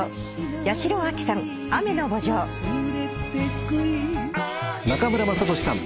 八代亜紀さん『雨の慕情』中村雅俊さん